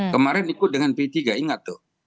kemarin ikut dengan p tiga ingat tuh